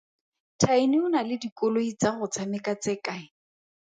Tiny o na le dikoloi tsa go tshameka tse kae?